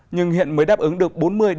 nhưng hiện mới đáp ứng được bốn mươi năm mươi